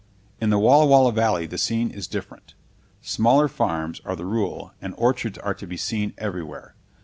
In the Walla Walla valley the scene is different. Smaller farms are the rule and orchards are to be seen everywhere.